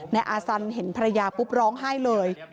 นายอาสันเห็นภรรยาปุ๊บร้องไห้เลย